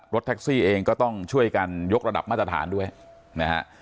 รถแท็กซี่เองก็ต้องช่วยกันยกระดับมาตรฐานด้วยนะฮะ